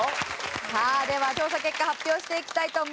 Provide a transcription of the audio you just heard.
さあでは調査結果発表していきたいと思います。